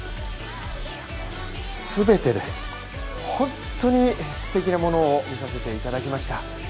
全てです、本当にすてきなものを見させていただきました。